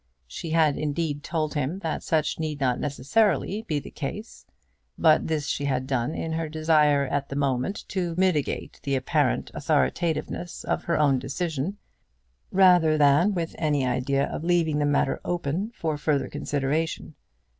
She had, indeed, told him that such need not necessarily be the case, but this she had done in her desire at the moment to mitigate the apparent authoritativeness of her own decision, rather than with any idea of leaving the matter open for further consideration.